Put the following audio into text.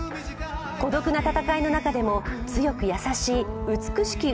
孤独な戦いの中でも強く優しい美しき